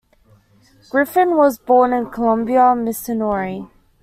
Griffin was born in Columbia, Missouri.